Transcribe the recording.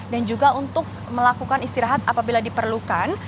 dan juga untuk melakukan istirahat apabila diperlukan